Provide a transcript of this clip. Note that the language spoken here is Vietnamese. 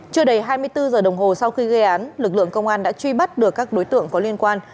chưa đầy hai mươi bốn giờ đồng hồ sau khi gây án lực lượng công an đã truy bắt được các đối tượng có liên quan